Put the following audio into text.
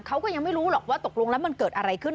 เขาก็ยังไม่รู้หรอกว่าตกลงแล้วมันเกิดอะไรขึ้น